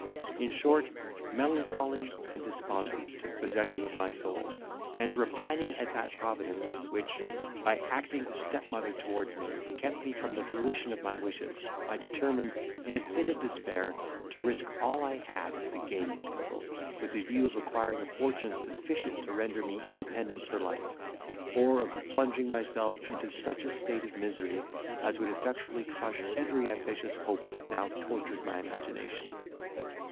In short, melancholy and despondence took possession of my soul; and, repining at that providence which, by acting the stepmother towards me, kept me from the fruition of my wishes, I determined, in a fit of despair, to risk all I had at the gaming table, with a view of acquiring a fortune sufficient to render me independent for life; or of plunging myself into such a state of misery, as would effectually crush every ambitious hope that now tortured my imagination.